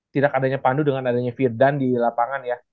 tidak adanya pandu dengan adanya firdan di lapangan ya